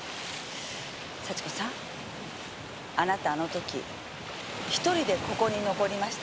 幸子さんあなたあの時一人でここに残りましたよね？